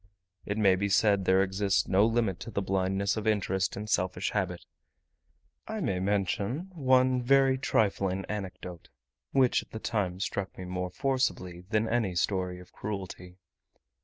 It may be said there exists no limit to the blindness of interest and selfish habit. I may mention one very trifling anecdote, which at the time struck me more forcibly than any story of cruelty.